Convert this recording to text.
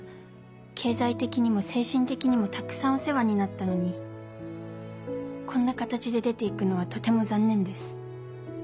経済的にも精神的にもたくさんお世話になったのにこんな形で出て行くのはとても残念です。